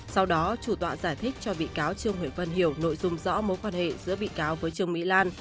sau đó chủ tọa giải thích cho bị cáo trương huệ vân hiểu nội dung rõ mối quan hệ giữa bị cáo với trương mỹ lan